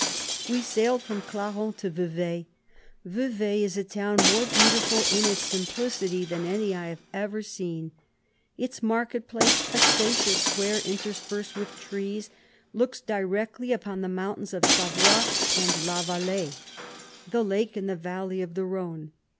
We sailed from Clarens to Vevai. Vevai is a town more beautiful in its simplicity than any I have ever seen. Its market place, a spacious square in terspersed with trees, looks directly upon the mountains of Savoy and La Valais, the lake, and the valley of the Rhone.